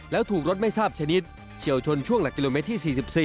แล้วถูกรถไม่ทราบชนิดเฉียวชนช่วงหลักกิโลเมตรที่๔๔